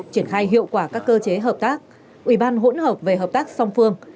triển khai hiệu quả các cơ chế hợp tác ủy ban hỗn hợp về hợp tác song phương